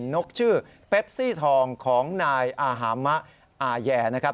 นกชื่อเปปซี่ทองของนายอาฮามะอาแยนะครับ